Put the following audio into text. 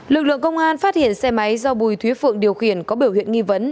lực lượng công an phát hiện xe máy do bùi thúy phượng điều khiển có biểu hiện nghi vấn